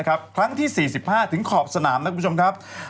ครั้งที่๔๕ถึงขอบสนามนะครับ